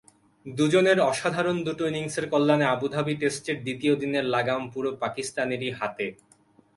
দুজনের অসাধারণ দুটো ইনিংসের কল্যাণে আবুধাবি টেস্টের দ্বিতীয় দিনের লাগাম পুরো পাকিস্তানেরই হাতে।